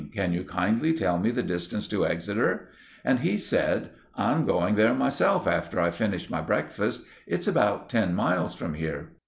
Can you kindly tell me the distance to Exeter?" And he said— "I'm going there myself after I've finished my breakfast. It's about ten miles from here."